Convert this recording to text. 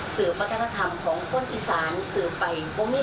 คือเดินเข้าเดินออกที่นี่เหมือนคนในครอบครัว